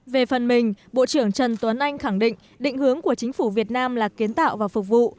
về phần mình bộ trưởng trần tuấn anh khẳng định định hướng của chính phủ việt nam là kiến tạo và phục vụ